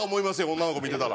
女の子見てたら。